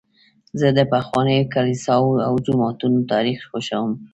زه د پخوانیو کلیساوو او جوماتونو تاریخ خوښوم.